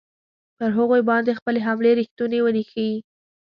پر هغوی باندې خپلې حملې ریښتوني وښیي.